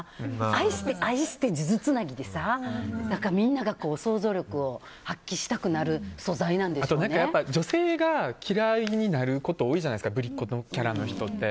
愛して、愛して数珠つなぎでみんなが想像力を発揮したくなるあと、女性が嫌いになること多いじゃないですかぶりっこキャラの人って。